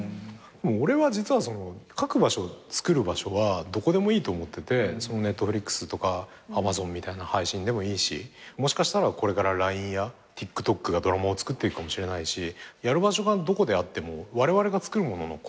俺は実は書く場所つくる場所はどこでもいいと思っててＮｅｔｆｌｉｘとかＡｍａｚｏｎみたいな配信でもいいしもしかしたらこれからＬＩＮＥやＴｉｋＴｏｋがドラマをつくっていくかもしれないしやる場所がどこであってもわれわれがつくるものの根底は変わらないと思ってるのね